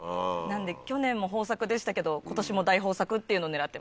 去年も豊作でしたけど今年も大豊作っていうのを狙ってます。